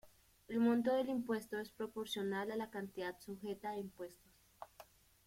El monto del impuesto es proporcional a la cantidad sujeta a impuestos.